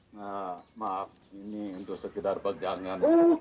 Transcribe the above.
maaf ini untuk sekitar pek janggan